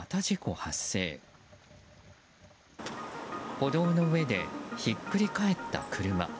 歩道の上でひっくり返った車。